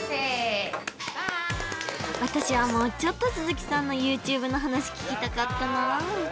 私はもうちょっと鈴木さんのＹｏｕＴｕｂｅの話聞きたかったな